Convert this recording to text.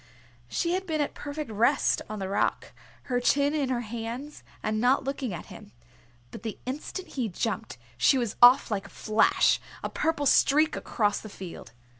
She had been at perfect rest on the rock, her chin in her hands, and not looking at him, but the instant he jumped she was off like a flash, a purple streak across the field.